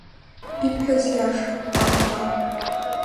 Ибҳәаз иашам, мап, мап!